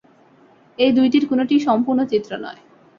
এই দুইটির কোনটিই সম্পূর্ণ চিত্র নয়।